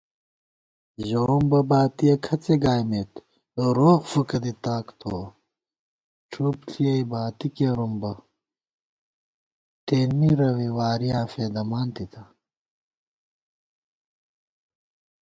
ژَوُمبہ باتِیَہ کھڅےگائیمېت، روغ فُکہ دی تاک تھووَہ * ڄُھپ ݪِیَئی باتی کېوُم بہ تېنمی روےوارِیاں فېدَمان تِتا